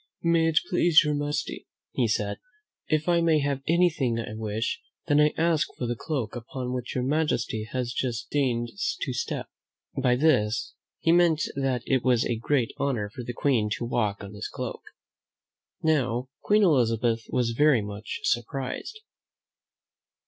"May it please your majesty," he said, "if I may have anything I wish, then I ask for the cloak upon which your majesty has just deigned to step." By this he meant that it was a great honor for the Queen to walk on his cloak. Now, Queen Elizabeth was very much sur prised.